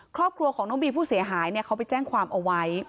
ครอบครัวของน้องบีผู้เสียหายเขาไปแจ้งความเอาไว้